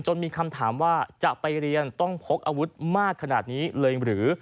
มีคำถามว่าจะไปเรียนต้องพกอาวุธมากขนาดนี้เลยหรือ